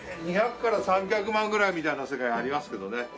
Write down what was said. ２００から３００万ぐらいみたいな世界ありますけどね。